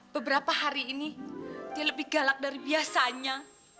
beberapa hari ini dia lebih galak dari biasanya